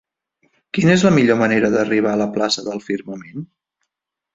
Quina és la millor manera d'arribar a la plaça del Firmament?